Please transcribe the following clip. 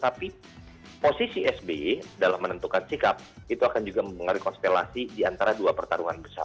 tapi posisi sby dalam menentukan sikap itu akan juga mengaruhi konstelasi di antara dua pertarungan besar